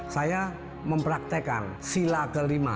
saya mempraktekkan sila kelima